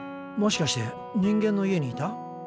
もしかして人間の家にいた？